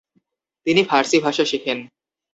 তিনি ফারসি ভাষা শেখেন।